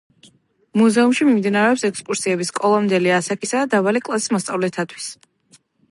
მუზეუმში მიმდინარეობს ექსკურსიები სკოლამდელი ასაკისა და დაბალი კლასის მოსწავლეთათვის.